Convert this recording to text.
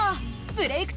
「ブレイクッ！